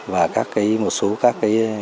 và một số các